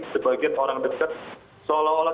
sebagian orang dekat seolah olah